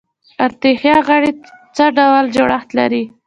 اطراحیه غړي څه ډول جوړښت لري؟